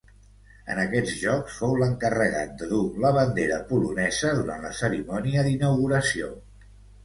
En aquests Jocs fou l'encarregat de dur la bandera polonesa durant la cerimònia d'inauguració.